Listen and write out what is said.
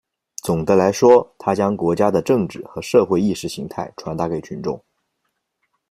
总的来说，它将国家的政治和社会意识形态传达给群众。